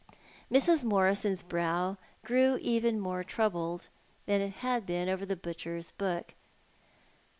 Mrs. iMorison's brow grew even more troubled than it had been over the butcher's book.